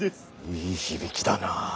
いい響きだな。